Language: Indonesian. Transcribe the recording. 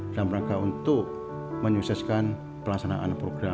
dalam rangka untuk menyukseskan pelaksanaan program